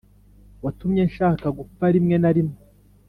watumye nshaka gupfa rimwe na rimwe.